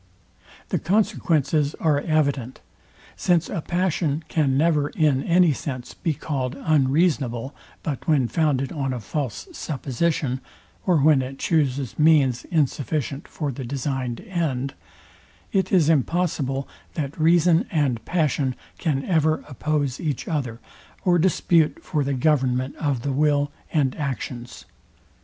The consequences are evident. Since a passion can never, in any sense, be called unreasonable, but when founded on a false supposition or when it chuses means insufficient for the designed end, it is impossible, that reason and passion can ever oppose each other, or dispute for the government of the will and actions.